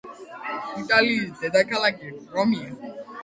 იტალიის დედაქალაქი რომია